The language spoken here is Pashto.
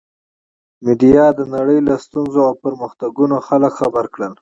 میډیا د نړۍ له ستونزو او پرمختګونو خلک خبر کړل.